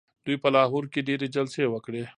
دوی په لاهور کي ډیري جلسې وکړې.